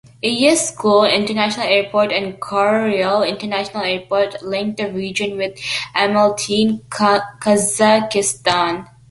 Issyk-Kul International Airport and Karakol International Airport link the region with Almaty in Kazakhstan.